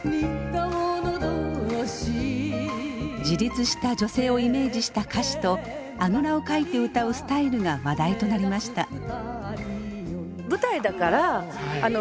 自立した女性をイメージした歌詞とあぐらをかいて歌うスタイルが話題となりました。